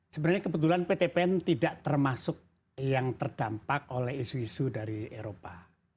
sebenarnya kebetulan pt pn tidak termasuk yang terdampak oleh isu isu dari eropa